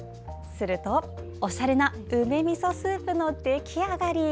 すると、おしゃれな梅みそスープの出来上がり。